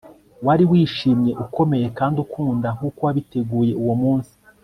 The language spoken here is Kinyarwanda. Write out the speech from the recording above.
wari wishimye, ukomeye kandi ukunda nkuko wabiteguye uwo munsi